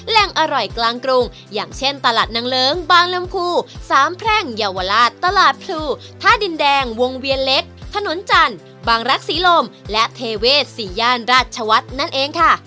แหล่งอร่อยกลางกรุงอย่างเช่นตลาดนางเลิ้งบางลำพูสามแพร่งเยาวราชตลาดพลูท่าดินแดงวงเวียนเล็กถนนจันทร์บางรักษีลมและเทเวศ๔ย่านราชวัฒน์นั่นเองค่ะ